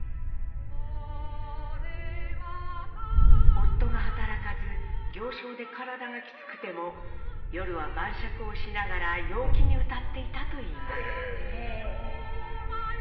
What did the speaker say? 夫が働かず行商で体がきつくても夜は晩酌をしながら陽気に歌っていたといいます。